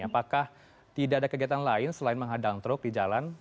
apakah tidak ada kegiatan lain selain menghadang truk di jalan